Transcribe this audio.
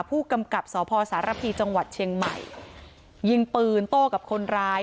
ผู้กำกับสพสารพีจังหวัดเชียงใหม่ยิงปืนโต้กับคนร้าย